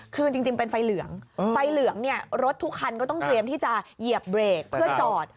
คือจริงเป็นไฟเหลืองไฟเหลืองเนี่ยรถทุกคันก็ต้องเตรียมที่จะเหยียบเบรกเพื่อจอด